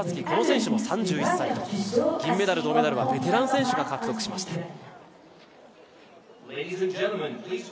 この選手も３１歳と、銀メダル、銅メダルはベテラン選手が獲得しました。